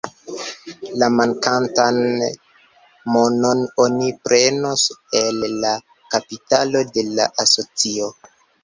La mankantan monon oni prenos el la kapitalo de la asocio.